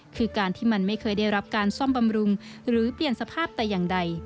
คือการที่มันไม่เคยได้รับการซ่อมบำรุงหรือเปลี่ยนสภาพแต่อย่างใด